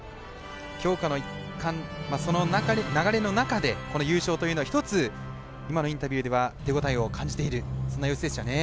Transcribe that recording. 強化の一環その流れの中で優勝というのが一つ今のインタビューでは手応えを感じているそんな様子でしたね。